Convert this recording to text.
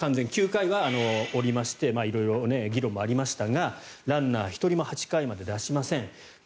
９回は降りまして色々議論もありましたがランナー１人も８回まで出しません。